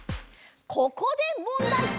ここでもんだい！